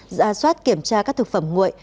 giả soát kiểm tra các thực phẩm nguội